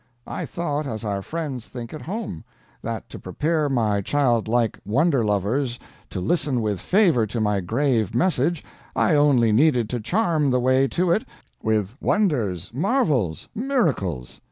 I thought as our friends think at home that to prepare my childlike wonder lovers to listen with favor to my grave message I only needed to charm the way to it with wonders, marvels, miracles.